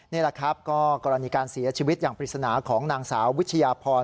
นี่แหละครับก็กรณีการเสียชีวิตอย่างปริศนาของนางสาววิชยาพร